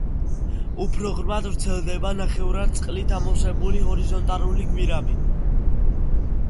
უფრო ღრმად ვრცელდება ნახევრად წყლით ამოვსებული ჰორიზონტალური გვირაბი.